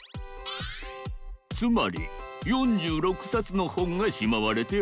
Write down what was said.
つまり４６さつのほんがしまわれておる。